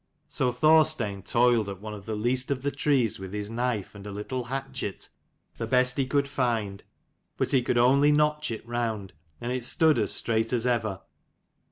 So Thorstein toiled at one of the least of the trees with his knife and a litttle hatchet, the best he could find: but he could only notch it round, and it stood as straight as ever.